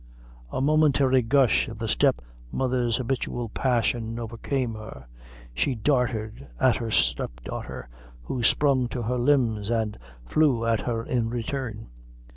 A momentary gush of the step mother's habitual passion overcame her; she darted at her step daughter, who sprung to her limbs, and flew at her in return.